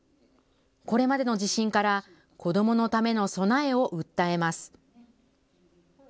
これまでの地震から子どものための備えを訴えます。